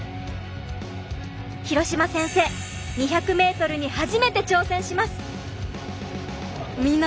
廣島先生２００ｍに初めて挑戦します！